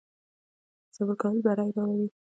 صبر کول بری راوړي